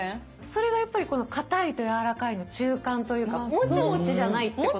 それがやっぱりこのかたいとやわらかいの中間というかモチモチじゃないってことですよね？